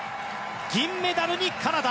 銀メダルにカナダ。